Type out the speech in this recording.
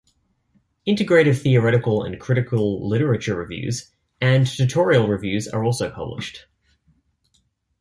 Integrative theoretical and critical literature reviews, and tutorial reviews are also published.